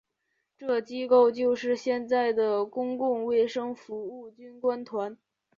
这机构就是现在的公共卫生服务军官团。